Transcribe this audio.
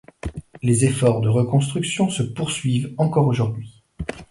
Les efforts de reconstruction se poursuivent encore aujourd'hui.